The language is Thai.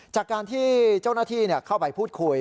จากการที่เจ้าหน้าที่เข้าไปพูดคุย